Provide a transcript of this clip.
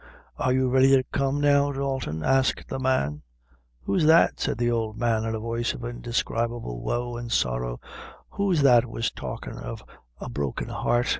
Are you ready to come now, Dalton?" asked the man. "Who's that," said the old man, in a voice of indescribable woe and sorrow; "who's that was talkin' of a broken heart?